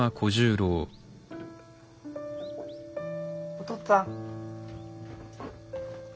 おとっつぁん。